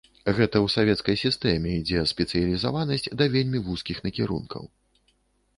Гэта ў савецкай сістэме ідзе спецыялізаванасць да вельмі вузкіх накірункаў.